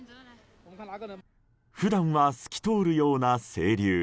普段は透き通るような清流。